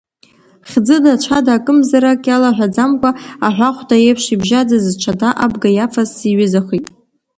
Хьӡыда-цәада, акымзарак иалаҳәаӡамкәа, аҳәахәда еиԥш ибжьаӡыз, зҽада абга иафаз сиҩызахеит.